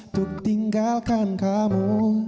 tuk tinggalkan kamu